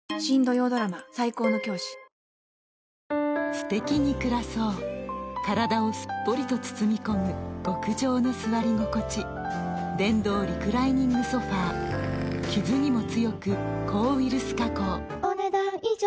すてきに暮らそう体をすっぽりと包み込む極上の座り心地電動リクライニングソファ傷にも強く抗ウイルス加工お、ねだん以上。